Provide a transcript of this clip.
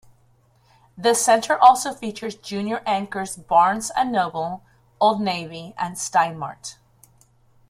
The center also features junior anchors Barnes and Noble, Old Navy, and Stein Mart.